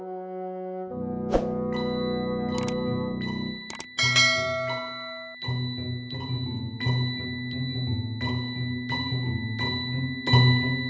itude perbayangan perbayangnya ini a dette